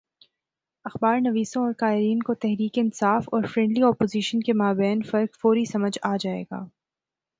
اخبارنویسوں اور قارئین کو تحریک انصاف اور فرینڈلی اپوزیشن کے مابین فرق فوری سمجھ آ جائے گا۔